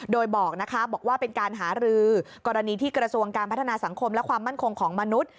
โดยบอกนะคะบอกว่าเป็นการหารือกรณีที่กระทรวงการพัฒนาสังคมและความมั่นคงของมนุษย์